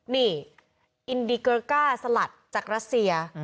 นี่อินดีเกอร์ก้าสลัดจากรัสเซีย